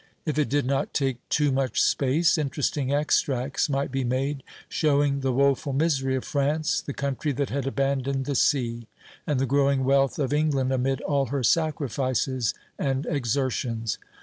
If it did not take too much space, interesting extracts might be made, showing the woful misery of France, the country that had abandoned the sea, and the growing wealth of England amid all her sacrifices and exertions.